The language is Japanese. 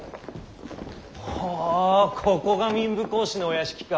ほうここが民部公子のお屋敷か。